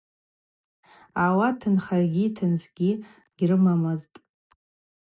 Ауат тынхагьи тынцӏгьи дгьрымамызтӏ.